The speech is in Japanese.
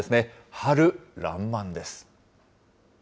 春らんまんです。